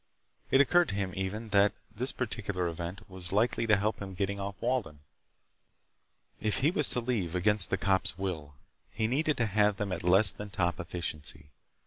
It occurred to him, even, that this particular event was likely to help him get off of Walden. If he was to leave against the cops' will, he needed to have them at less than top efficiency.